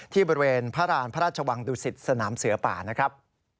ที่บริเวณพระราณพระราชวังดุสิตสนามเสือป่านะครับ